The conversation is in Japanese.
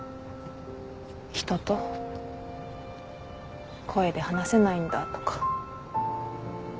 人と声で話せないんだとか。